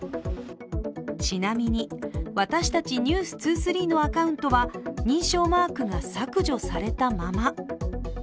ちなみに私たち「ｎｅｗｓ２３」のアカウントは、認証マークが削除されたまま。